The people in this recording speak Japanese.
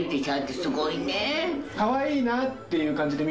すかわいいなっていう感じで見